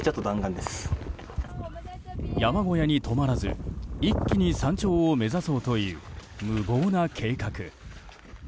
山小屋に泊まらず一気に山頂を目指そうという無謀な計画。